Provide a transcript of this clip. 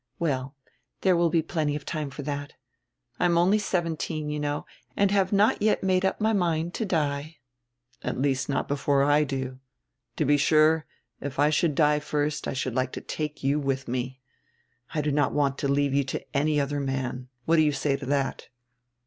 "Well, there will be plenty of time for that. I am only seventeen, you know, and have not yet made up my mind to die." "At least not before I do. To be sure, if I should die first, I should like to take you with me. I do not want to leave you to any other man. What do you say to that?"